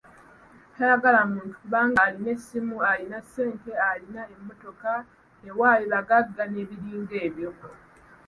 Toyagala muntu kubanga alina essimu, alina ssente, alina mmotoka, ewaabwe bagagga n'ebiringa ebyo.